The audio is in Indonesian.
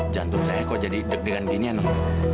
jantung saya kok jadi deg degan gini ya non